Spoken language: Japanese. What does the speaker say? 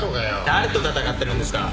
誰と戦ってるんですか。